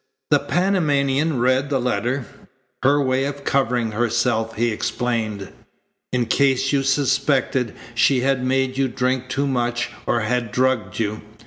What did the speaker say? The Panamanian read the letter. "Her way of covering herself," he explained, "in case you suspected she had made you drink too much or had drugged you.